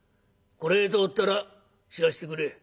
これへ通ったら知らせてくれ。